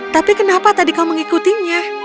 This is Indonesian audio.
tapi kenapa tadi kau mengikutinya